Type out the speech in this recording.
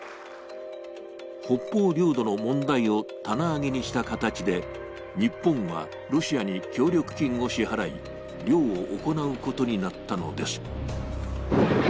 北方領土の問題を棚上げにした形で日本はロシアに協力金を支払い、漁を行うことになったのです。